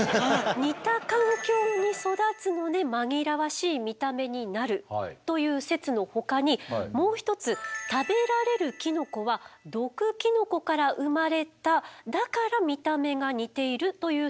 似た環境に育つので紛らわしい見た目になるという説のほかにもう一つ食べられるキノコは毒キノコから生まれただから見た目が似ているという説もあるのでございます。